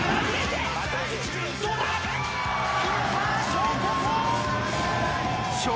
決めた！笑